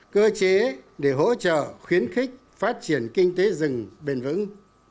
cơ chế để hỗ trợ khuyến khích phát triển kinh tế rừng bền vững